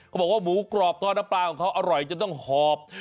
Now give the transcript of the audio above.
เขาบอกว่าหมูกรอบทอดน้ำปลาของเขาอร่อยจนต้องหอบ